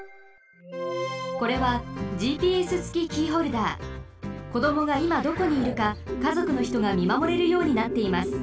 これはこどもがいまどこにいるかかぞくのひとがみまもれるようになっています。